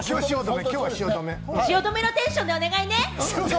汐留のテンションでお願いね！